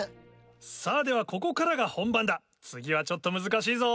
さぁではここからが本番だ次はちょっと難しいぞ。